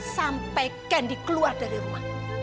sampai candy keluar dari rumah